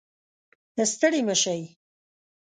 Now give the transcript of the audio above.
ستړې مه شئ